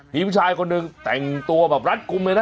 มีผู้ชายคนหนึ่งแต่งตัวแบบรัดกลุ่มเลยนะ